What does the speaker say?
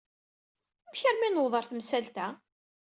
Amek armi newweḍ ɣer temsalt-a?